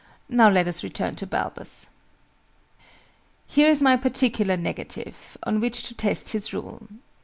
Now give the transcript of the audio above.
Now let us return to BALBUS.) Here is my "particular negative," on which to test his rule.